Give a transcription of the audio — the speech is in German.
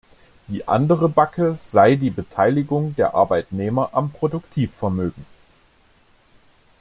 Die andere Backe sei die Beteiligung der Arbeitnehmer am Produktivvermögen.